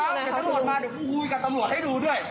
เดี๋ยวตำรวจมาเดี๋ยวกูคุยกับตำรวจให้ดูด้วย